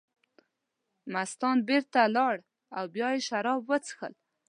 مستان بېرته لاړل او بیا یې شراب وڅښل.